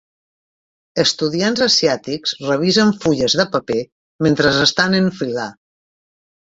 Estudiants asiàtics revisen fulles de paper mentre estan en fila.